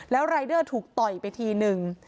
แล้วรายเดอร์ถูกต่อยไปทีนึง